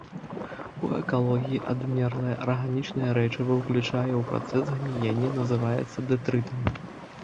У экалогіі адмерлае арганічнае рэчыва, уключанае ў працэс гніення, называецца дэтрытам.